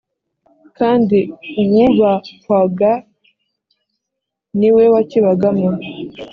kandi uwubahwaga ni we wakibagamo